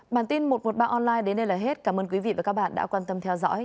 bản tin một trăm một mươi ba online đến đây là hết cảm ơn quý vị và các bạn đã quan tâm theo dõi